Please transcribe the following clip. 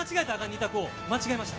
２択を間違えました。